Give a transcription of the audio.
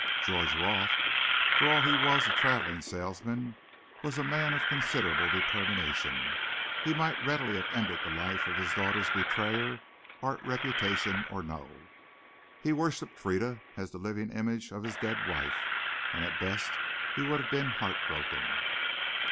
George Roth, for all he was a traveling salesman, was a man of considerable determination. He might readily have ended the life of his daughter's betrayer art reputation or no. He worshiped Frieda as the living image of his dead wife, and at best he would have been heartbroken.